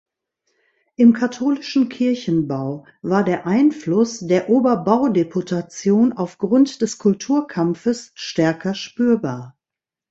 Im katholischen Kirchenbau war der Einfluss der Oberbaudeputation auf Grund des Kulturkampfes stärker spürbar.